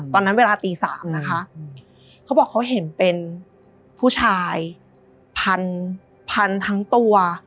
เวลาตี๓นะคะเขาบอกเขาเห็นเป็นผู้ชายพันทั้งตัว